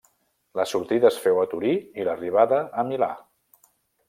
La sortida es féu a Torí i l'arribada a Milà.